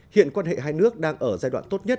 hiện quan hệ hai nước đang ở giai đoạn tốt nhất